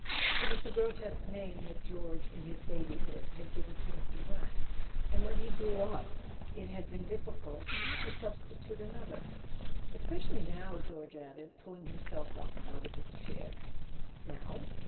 .." It was the grotesque name that George, in his babyhood, had given to Mr. Brant, and when he grew up it had been difficult to substitute another. "Especially now " George added, puffing himself up out of his chair. "Now?"